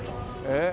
えっ？